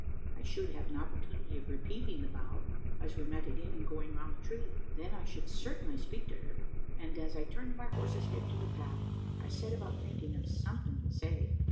I should have an opportunity of repeating the bow, as we met again in going round the tree. Then I should certainly speak to, her; and, as I turned my horse's head to the path, I set about thinking of something to say.